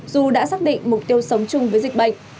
dù đã xác định mục tiêu sống chung với dịch bệnh